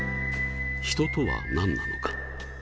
人とは何なのか。